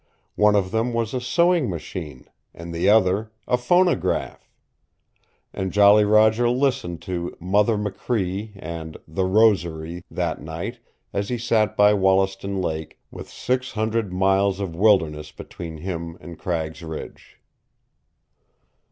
One of them was a sewing machine, and the other a phonograph! And Jolly Roger listened to "Mother Machree" and "The Rosary" that night as he sat by Wollaston Lake with six hundred miles of wilderness between him and Cragg's Ridge.